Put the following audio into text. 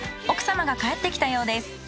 奥様が帰ってきたようです。